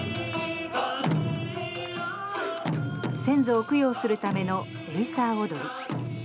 先祖を供養するためのエイサー踊り。